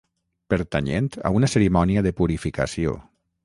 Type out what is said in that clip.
Pertanyent a una cerimònia de purificació.